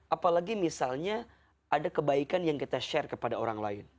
apalagi misalnya ada kebaikan yang kita share kepada orang lain